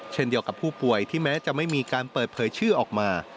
เช่นเดียวกับผู้ป่วยที่แม้จะไม่มีการเปิดเผยชื่อออกมา